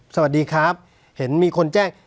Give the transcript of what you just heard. สวัสดีครับเห็นมีคนแจ้ง